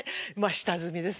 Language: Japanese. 下積みですね